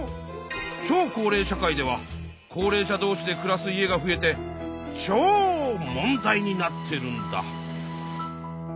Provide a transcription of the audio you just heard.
超高齢社会では高齢者どうしで暮らす家が増えて超問題になってるんだ。